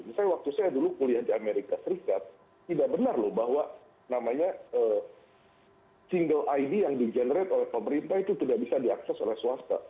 misalnya waktu saya dulu kuliah di amerika serikat tidak benar loh bahwa namanya single id yang di generate oleh pemerintah itu tidak bisa diakses oleh swasta